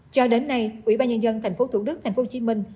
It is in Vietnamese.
cho đến nay ủy ban nhân dân thành phố thủ đức thành phố hồ chí minh